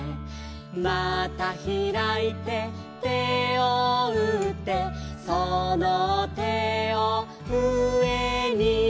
「またひらいて手をうって」「その手をうえに」